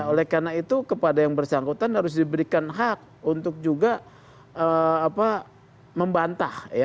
oleh karena itu kepada yang bersangkutan harus diberikan hak untuk juga membantah